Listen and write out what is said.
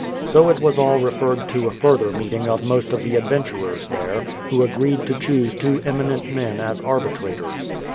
So it was all referred to a further meeting of most of the adventurers there, who agreed to choose two eminent men as arbitrators.